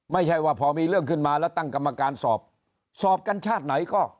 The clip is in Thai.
ไม่ใช่ว่าพอมีเรื่องขึ้นมาแล้วตั้งกรรมการสอบสอบกันชาติไหนก็